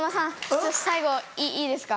最後いいですか？